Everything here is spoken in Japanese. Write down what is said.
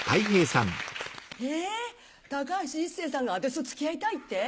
え高橋一生さんが私と付き合いたいって？